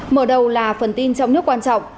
mở đầu là phần tin trong nước quan trọng